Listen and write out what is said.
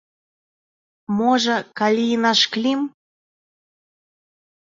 Можа, калі й нашклім.